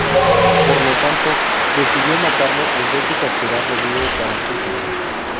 Por lo tanto, decidió matarlo en vez de capturarlo vivo para Sita.